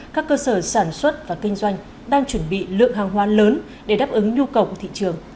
các cơ sở sản xuất và kinh doanh đang chuẩn bị lượng hàng hoa lớn để đáp ứng nhu cầu của thị trường